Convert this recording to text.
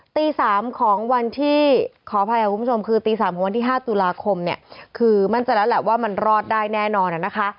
ตี๓ของวันที่ขออภัยค่ะคุณผู้ชมคือตี๓ของวันที่๕ตุลาคมเนี่ยคือมั่นใจแล้วแหละว่ามันรอดได้แน่นอนนะคะ